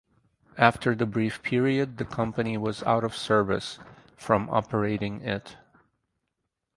After the brief period the company was out of service from operating it.